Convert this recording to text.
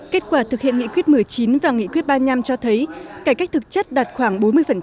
kết quả thực hiện nghị quyết một mươi chín và nghị quyết ba mươi năm cho thấy cải cách thực chất đạt khoảng bốn mươi